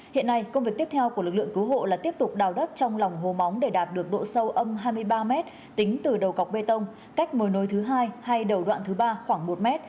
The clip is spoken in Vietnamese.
hiện nay công việc tiếp theo của lực lượng cứu hộ là tiếp tục đào đất trong lòng hồ móng để đạt được độ sâu âm hai mươi ba m tính từ đầu cọc bê tông cách mồi nối thứ hai hay đầu đoạn thứ ba khoảng một m